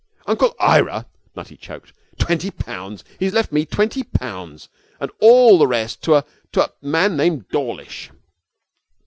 'Uncle Ira ' Nutty choked. 'Twenty pounds! He's left me twenty pounds, and all the rest to a to a man named Dawlish!'